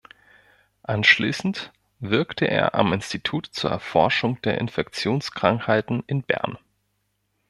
Anschließend wirkte er am "Institut zur Erforschung der Infektionskrankheiten" in Bern.